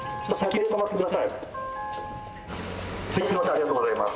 ありがとうございます。